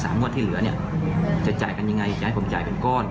๓งวดที่เหลือจะจ่ายกันอย่างไรจะให้ผมจ่ายเป็นก้อน